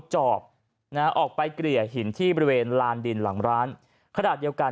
จอบนะออกไปเกลี่ยหินที่บริเวณลานดินหลังร้านขนาดเดียวกัน